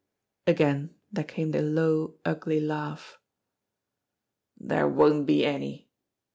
Again there came the low, ugly laugh. "There won't be any!